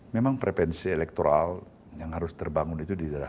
memang frevensi elektoral yang harus terbangun itu di daerah